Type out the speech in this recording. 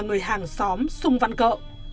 người hàng xóm xung văn cỡ